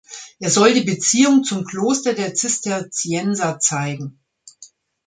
Er soll die Beziehung zum Kloster der Zisterzienser zeigen.